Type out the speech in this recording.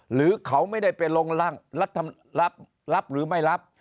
หรือเขาไม่ได้ไปลงร่างรัฐรับหรือไม่รับ